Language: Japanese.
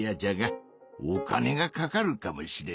お金がかかるかもしれんなあ。